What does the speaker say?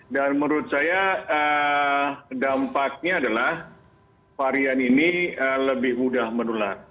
dan menurut saya dampaknya adalah varian ini lebih mudah menular